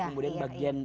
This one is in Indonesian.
untuk kemudian bagian